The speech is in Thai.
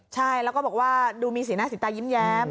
ใช่แล้วก็บอกว่าดูมีสีหน้าสีตายิ้มแย้ม